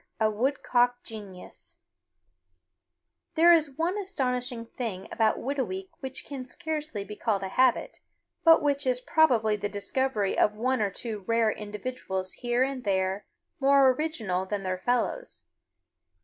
A WOODCOCK GENIUS There is one astonishing thing about Whitooweek which can scarcely be called a habit, but which is probably the discovery of one or two rare individuals here and there more original than their fellows.